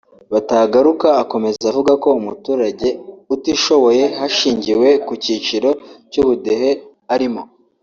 Batagaruka akomeza avuga ko umuturage utishoboye hashingiwe ku cyiciro cy’ubudehe arimo